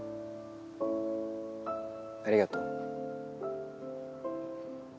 ありがとう。